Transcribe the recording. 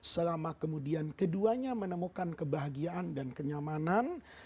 selama kemudian keduanya menemukan kebahagiaan dan kenyamanan